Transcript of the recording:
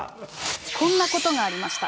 こんなことがありました。